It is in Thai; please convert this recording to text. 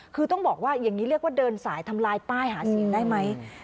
คือต้องบอกว่าอย่างนี้เรียกว่าเดินสายทำลายป้ายหาเสียงได้ไหม